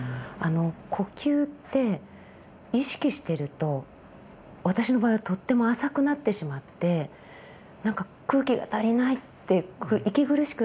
呼吸って意識してると私の場合はとっても浅くなってしまって空気が足りないって息苦しくなったりじゃあ